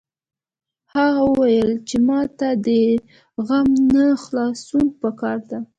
هغې وویل چې ما ته د غم نه خلاصون په کار ده